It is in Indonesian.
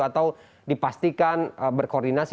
atau dipastikan berkoordinasi